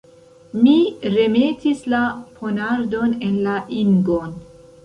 Mi remetis la ponardon en la ingon.